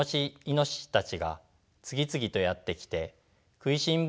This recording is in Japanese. いのししたちが次々とやって来てくいしん